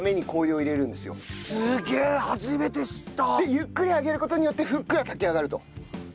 ゆっくり上げる事によってふっくら炊き上がると。